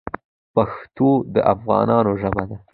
پښتو د افغانانو ژبه ده.